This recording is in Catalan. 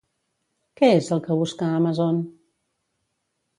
Què és el que busca Amazon?